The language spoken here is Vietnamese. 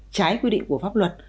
trái quy định của pháp luật